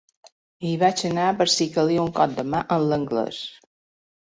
Hi vaig anar per si li calia un cop de mà amb l'anglès.